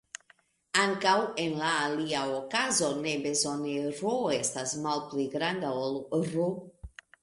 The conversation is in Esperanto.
Ankaŭ, en la alia okazo ne bezone "r" estas malpli granda ol "R".